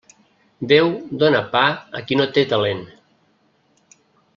Déu dóna pa a qui no té talent.